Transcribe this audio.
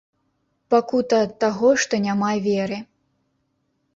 Пакута ад таго, што няма веры.